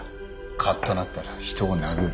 かっとなったら人を殴る。